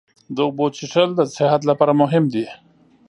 د اوبو څښل د صحت لپاره مهم دي.